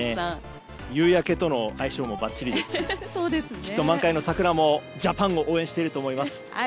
夕焼けとの相性もばっちりですしきっと満開の桜もジャパンを応援していると思います。